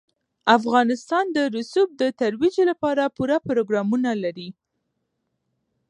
افغانستان د رسوب د ترویج لپاره پوره پروګرامونه لري.